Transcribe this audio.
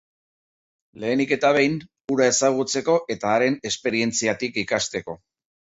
Lehenik eta behin, hura ezagutzeko eta haren esperientziatik ikasteko.